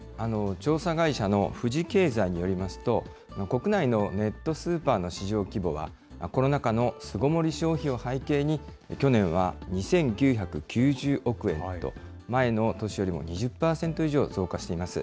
調査会社の富士経済によりますと、国内のネットスーパーの市場規模は、コロナ禍の巣ごもり消費を背景に、去年は２９９０億円と、前の年よりも２０％以上増加しています。